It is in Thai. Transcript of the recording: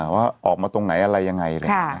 ว่าออกมาตรงไหนอะไรยังไง